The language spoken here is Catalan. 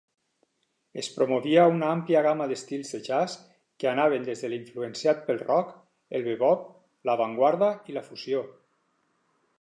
Es promovia una àmplia gamma d'estils de jazz que anaven des de l'influenciat pel rock, el bebop, l'avantguarda i la fusió.